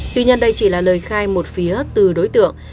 tuy nhiên đây chỉ là lời khai một phía từ đối tượng